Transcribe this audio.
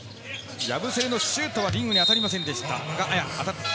ヤブセレのシュートはリングには当たりませんでした。